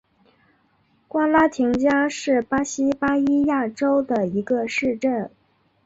瓜拉廷加是巴西巴伊亚州的一个市镇。